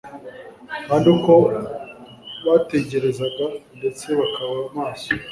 kandi uko bategerezaga ndetse bakaba maso